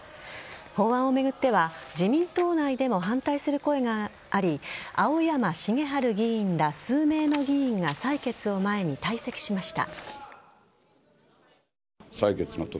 法案を巡っては自民党内でも反対する声があり青山繁晴議員ら数名の議員が採決を前に退席しました。